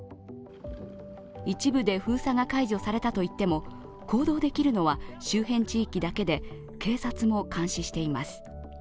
一部で封鎖が解除されたといっても行動できるのは周辺地域だけで、警察も監視しています。